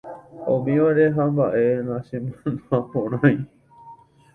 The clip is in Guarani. ha umívare ha mba'e nachemandu'aporãi.